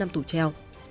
ba năm tù treo